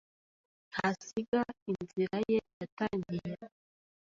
Ntasiga inzira ye yatangiye